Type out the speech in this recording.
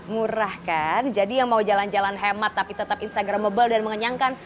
murah kan jadi yang mau jalan jalan hemat tapi tetap instagramable dan mengenyangkan